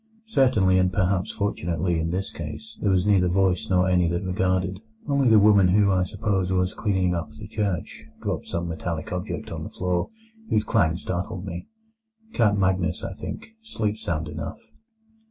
Certainly, and perhaps fortunately in this case, there was neither voice nor any that regarded: only the woman who, I suppose, was cleaning up the church, dropped some metallic object on the floor, whose clang startled me. Count Magnus, I think, sleeps sound enough."